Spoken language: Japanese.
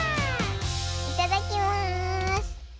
いただきます。